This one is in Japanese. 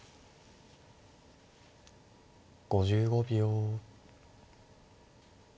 ５５秒。